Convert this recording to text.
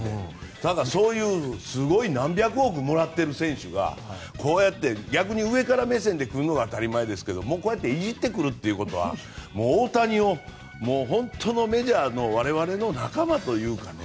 ただそういうすごい何百億もらってる選手がこうやって逆に上から目線で来るのが当たり前ですけどいじってくるっていうことは大谷を本当のメジャーの我々の仲間というかね。